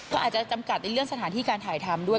ก็อาจจะจำกัดในเรื่องสถานที่การถ่ายทำด้วย